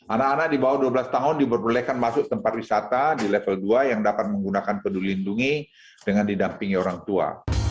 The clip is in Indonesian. anak anak di bawah dua belas tahun diperbolehkan masuk tempat wisata di level dua yang dapat menggunakan peduli lindungi dengan didampingi orang tua